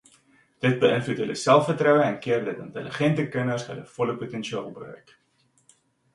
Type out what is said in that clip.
Dit beïnvloed hul selfvertroue en keer dat intelligente kinders hul volle potensiaal bereik.